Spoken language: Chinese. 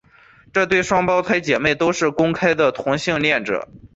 这对双胞胎姐妹都是公开的同性恋者。